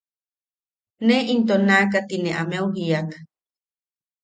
Ne into naʼaka ti ameu jiak.